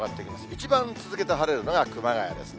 一番続けて晴れるのが熊谷ですね。